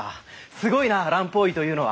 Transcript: すごいな蘭方医というのは。